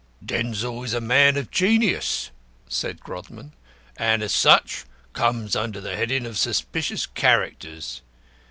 "Denzil is a man of genius," said Grodman. "And as such comes under the heading of Suspicious Characters.